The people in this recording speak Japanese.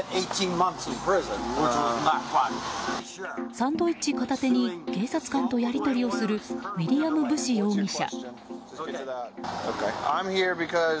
サンドイッチ片手に警察官とやり取りをするウィリアム・ブシ容疑者。